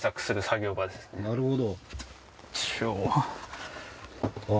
なるほど。